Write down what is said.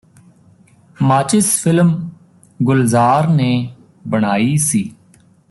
ਮਾਚਿਸ film Gulzar ਨੇ ਬਣਾਈ ਸੀ